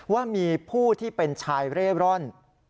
ว่ามีผู้ที่เป็นชายเร่ร่อน